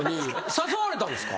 誘われたんですか？